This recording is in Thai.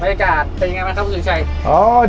บรรยากาศเป็นอย่างไรบ้างครับผู้ชาย